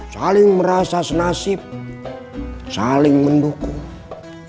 saling merasa senasib saling mendukung